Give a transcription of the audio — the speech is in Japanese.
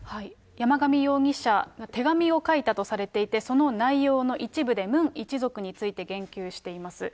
山上容疑者、手紙を書いたとされていて、その内容の一部で、ムン一族について言及しています。